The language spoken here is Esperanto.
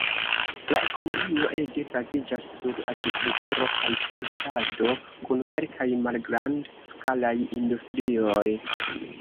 La ekonomio ege baziĝas sur agrikulturo kaj forstado, kun kelkaj malgrand-skalaj industrioj.